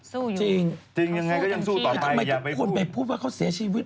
สู้อยู่ยังไงก็ยังสู้ต่อไปอย่าไปพูดใช่เป็นที่ทำไมทุกคนไปพูดว่าเขาเสียชีพิษ